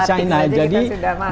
sekarang kita tahu china